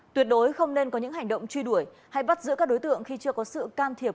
tuyệt đối không nên có những hành động truy đuổi hay bắt giữ các đối tượng khi chưa có sự can thiệp